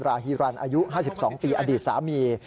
ฮีรันอายุ๕๒ปีอดีตสามี